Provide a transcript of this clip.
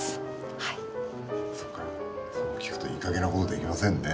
そっかそう聞くといいかげんなことできませんね。